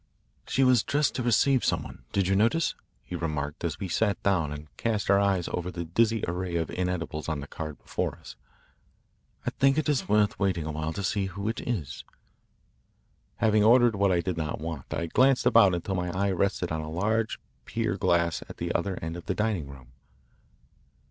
"She was dressed to receive some one did you notice?" he remarked as we sat down and cast our eyes over the dizzy array of inedibles on the card before us. "I think it is worth waiting a while to see who it is." Having ordered what I did not want, I glanced about until my eye rested on a large pier glass at the other end of the dining room.